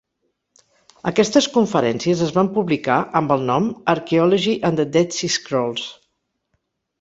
Aquestes conferències es van publicar amb el nom "Archaeology and the Dead Sea Scrolls".